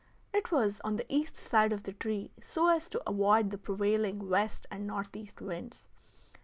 It was on the east side of the tree, so as to avoid the prevailing west and northeast winds.